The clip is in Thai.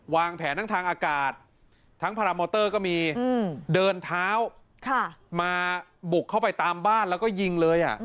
วางแผนทั้งทางอากาศทั้งพารามอเตอร์ก็มีเดินเท้ามาบุกเข้าไปตามบ้านแล้วก็ยิงเลย